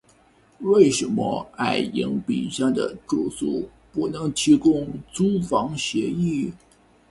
为什么爱迎彼上的住宿不能提供租房协议？